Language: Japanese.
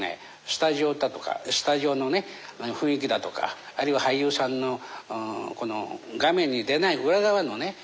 スタジオだとかスタジオの雰囲気だとかあるいは俳優さんの画面に出ない裏側のね